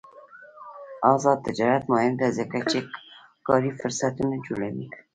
آزاد تجارت مهم دی ځکه چې کاري فرصتونه جوړوي.